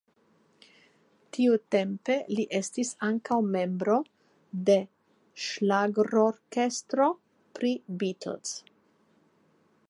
Tiutempe li estis ankaŭ membro de ŝlagrorkestro pri Beatles.